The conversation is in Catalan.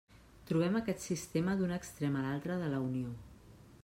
Trobem aquest sistema d'un extrem a l'altre de la Unió.